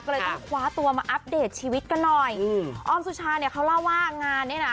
ก็เลยต้องคว้าตัวมาอัปเดตชีวิตกันหน่อยอืมอ้อมสุชาเนี่ยเขาเล่าว่างานเนี้ยน่ะ